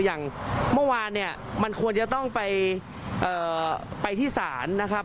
อย่างเมื่อวานเนี่ยมันควรจะต้องไปที่ศาลนะครับ